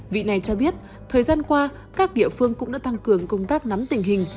vị này cho biết thời gian qua các địa phương cũng đã tăng cường công tác nắm tình hình